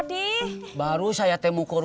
kakak ada kan